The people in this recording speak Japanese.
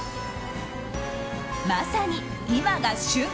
まさに今が旬！